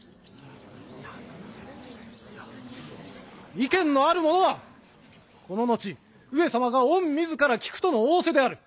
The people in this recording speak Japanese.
意見のあるものはこの後上様が御自ら聞くとの仰せである。